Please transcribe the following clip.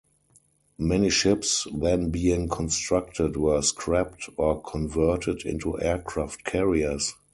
Many ships then being constructed were scrapped or converted into aircraft carriers.